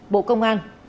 bộ công an